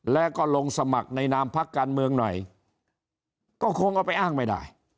แล้วก็ลงสมัครในนามพักการเมืองหน่อยก็คงเอาไปอ้างไม่ได้